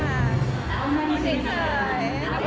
ไม่ได้เถอะ